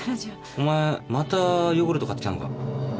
お前またヨーグルト買って来たのか。